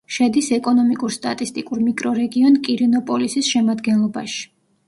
შედის ეკონომიკურ-სტატისტიკურ მიკრორეგიონ კირინოპოლისის შემადგენლობაში.